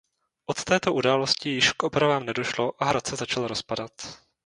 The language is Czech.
Od této události již k opravám nedošlo a hrad se začal rozpadat.